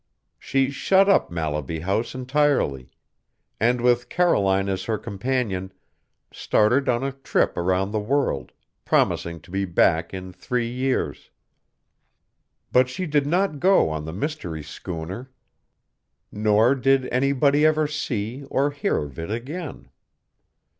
She shut up Mallaby House entirely, and, with Caroline as her companion, started on a trip around the world, promising to be back in three years. But she did not go on the mystery schooner, nor did anybody ever see or hear of it again.